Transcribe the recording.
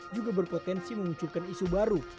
juga berpotensi memunculkan isu baru